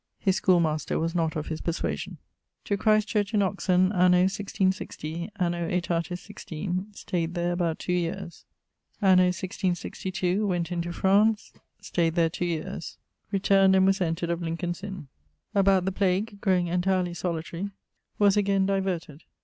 His schoolmaster was not of his perswasion. To Christ's Church in Oxon anno 1660, anno aetatis 16; stayed there about two yeares. Anno 1662, went into France; stayd there two yeares. Returnd and was entred of Lincoln's Inne. About the plague, growing entirely solitary, was again diverted.